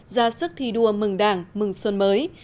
ra sức thi đua mừng đảng mừng xuân mới